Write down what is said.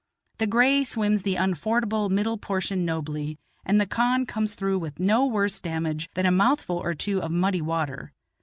The gray swims the unfordable middle portion nobly, and the khan comes through with no worse damage than a mouthful or two of muddy water.